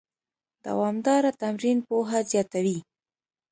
دوامداره تمرین پوهه زیاتوي.